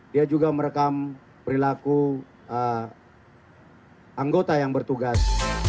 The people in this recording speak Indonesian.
dia juga merekam perilaku anggota yang bertugas